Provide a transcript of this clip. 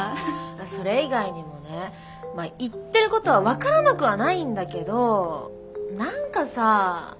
それ以外にもねまあ言ってることは分からなくはないんだけど何かさ。